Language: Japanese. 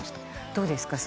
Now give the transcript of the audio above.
どうですか？